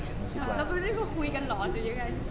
แล้วคุยกันหรอหรือยังไง